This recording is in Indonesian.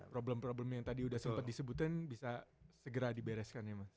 problem problem yang tadi udah sempat disebutin bisa segera dibereskan ya mas